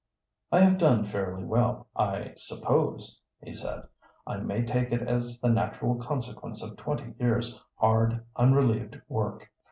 "I have done fairly well, I suppose," he said. "I may take it as the natural consequence of twenty years' hard, unrelieved work.